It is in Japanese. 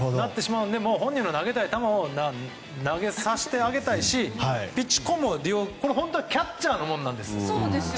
本人の投げたい球を投げさせてあげたいしピッチコムって本当はキャッチャーのものなんです。